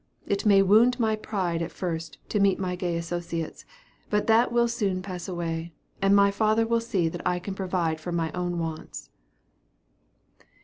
It may wound my pride at first to meet my gay associates; but that will soon pass away, and my father will see that I can provide for my own wants."